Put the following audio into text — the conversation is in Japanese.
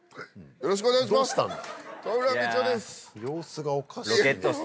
よろしくお願いします。